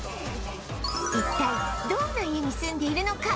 一体どんな家に住んでいるのか？